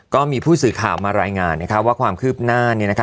ก็มีผู้สื่อข่าวมารายงานเนี่ยค่ะว่าความคืบหน้าเนี่ยนะคะ